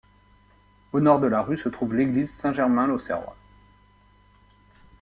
Au nord de la rue se trouve l'église Saint-Germain-l'Auxerrois.